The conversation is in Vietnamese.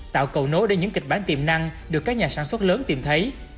tạo cầu nối để những kịch bản tiềm năng được các nhà sản xuất lớn tìm thấy